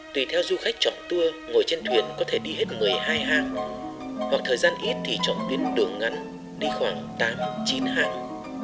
tùy theo du khách chọn tour ngồi trên thuyền có thể đi hết một mươi hai hang hoặc thời gian ít thì chọn tuyến đường ngắn đi khoảng tám chín hãng